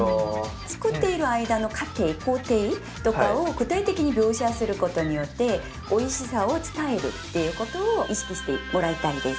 作っている間の過程工程とかを具体的に描写することによっておいしさを伝えるっていうことを意識してもらいたいです。